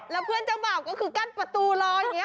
แล้วเพื่อนเจ้าบ่าวก็คือกั้นประตูรออย่างนี้